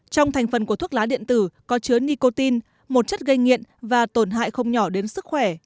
trong thành phần của thuốc lá điện tử có chứa nicotine một chất gây nghiện và tổn hại không nhỏ đến sức khỏe